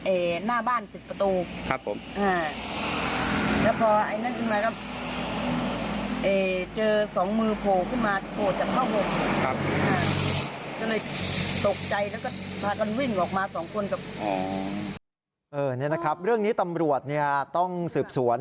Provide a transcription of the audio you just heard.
เออนี่นะครับเรื่องนี้ตำรวจต้องสืบสวน